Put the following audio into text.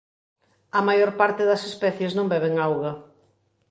A maior parte das especies non beben auga.